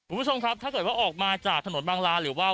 คุณผู้ชมครับถ้าเกิดว่าออกมาจากถนนบางลาหรือว่า